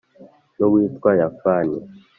n’uwitwa yafani